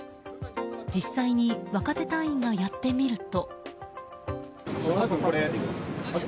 実際に若手隊員がやってみると。